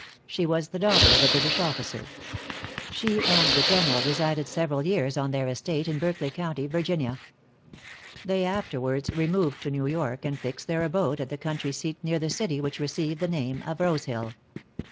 She was the daughter of a British officer. She and the General resided several years on their estate in Berkeley County, Virginia. They afterwards removed to New York, and fixed their abode at the country seat near the city which received the name of Rosehill.